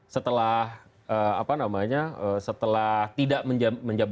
setelah apa namanya setelah tidak menjabat sebagai panglima